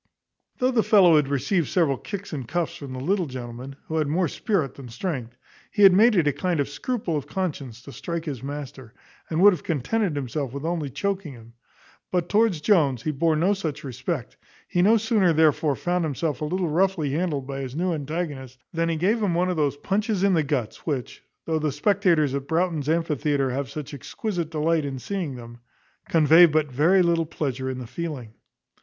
Though the fellow had received several kicks and cuffs from the little gentleman, who had more spirit than strength, he had made it a kind of scruple of conscience to strike his master, and would have contented himself with only choaking him; but towards Jones he bore no such respect; he no sooner therefore found himself a little roughly handled by his new antagonist, than he gave him one of those punches in the guts which, though the spectators at Broughton's amphitheatre have such exquisite delight in seeing them, convey but very little pleasure in the feeling.